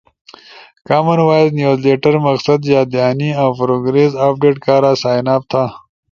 کامن وائس نیوز لیٹر، مقصد یاد دہانی اؤ پروگریس اپڈیٹ کارا سائن اپ تھا